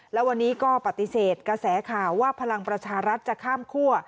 และวันนี้ก็ปฏิเสธกระแสข่าวว่าพลังประชารัฐจะข้ามคั่ว